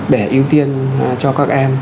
để ưu tiên cho các em